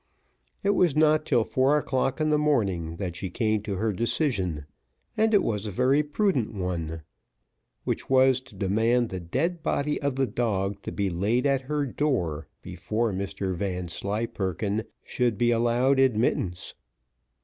It was not till four o'clock in the morning that she came to her decision; and it was a very prudent one, which was to demand the dead body of the dog to be laid at her door before Mr Vanslyperken should be allowed admittance.